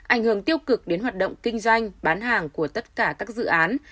ảnh hưởng tiêu cực đến hoạt động kinh doanh bán hàng của tất cả các dự án